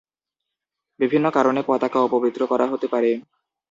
বিভিন্ন কারণে পতাকা অপবিত্র করা হতে পারে।